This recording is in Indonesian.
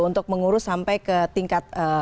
untuk mengurus sampai ke tingkat